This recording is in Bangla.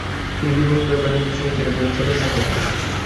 তিনি বিবেকানন্দের বেদান্ত সোসাইটির একজন সদস্য হন।